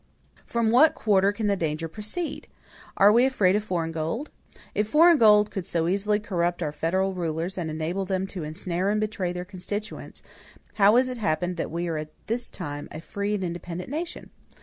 From what quarter can the danger proceed? Are we afraid of foreign gold? If foreign gold could so easily corrupt our federal rulers and enable them to ensnare and betray their constituents, how has it happened that we are at this time a free and independent nation?